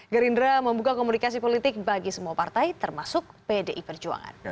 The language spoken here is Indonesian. gerindra membuka komunikasi politik bagi semua partai termasuk pdi perjuangan